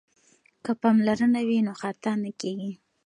که پاملرنه وي نو خطا نه کیږي.